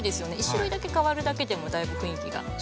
１種類だけ変わるだけでもだいぶ雰囲気が変わったり。